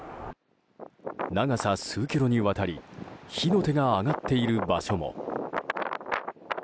長さ数キロにわたり火の手が上がっている場所も。